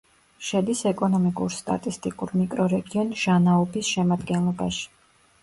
შედის ეკონომიკურ-სტატისტიკურ მიკრორეგიონ ჟანაუბის შემადგენლობაში.